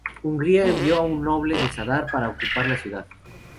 Hungría envió a un noble de Zadar para ocupar la ciudad.